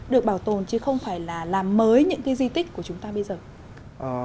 được bảo tồn chứ không phải là làm mới những cái di tích của chúng ta bây giờ